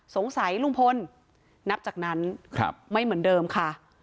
สงสัยลุงพลนับจากนั้นไม่เหมือนเดิมค่ะ